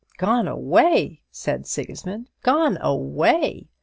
"GONE AWAY!" said Sigismund; "GONE AWAY!"